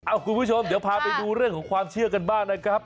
คุณผู้ชมเดี๋ยวพาไปดูเรื่องของความเชื่อกันบ้างนะครับ